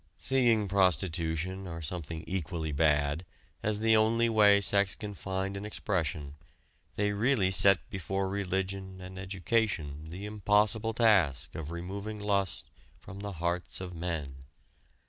Seeing prostitution or something equally bad as the only way sex can find an expression they really set before religion and education the impossible task of removing lust "from the hearts of men."